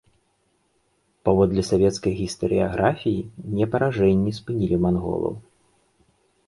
Паводле савецкай гістарыяграфіі, не паражэнні спынілі манголаў.